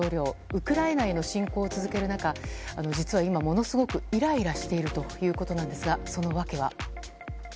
ウクライナへの侵攻を続ける中実は今ものすごくイライラしているということなんですがその訳は。